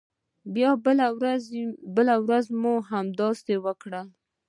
بیا بله ورځ مو هم همداسې وکړل.